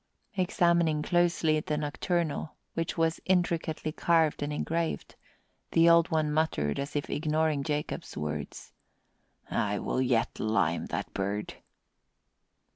Examining closely the nocturnal, which was intricately carved and engraved, the Old One muttered, as if ignoring Jacob's words, "I will yet lime that bird."